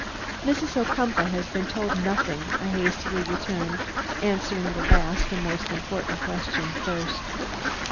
"Mrs. Ocumpaugh has been told nothing," I hastily returned, answering the last and most important question first.